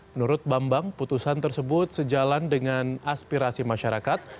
menurut bambang putusan tersebut sejalan dengan aspirasi masyarakat